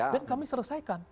dan kami selesaikan